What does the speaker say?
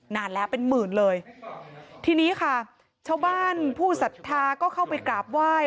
นานแล้วเป็นหมื่นเลยทีนี้ค่ะชาวบ้านผู้ศรัทธาก็เข้าไปกราบไหว้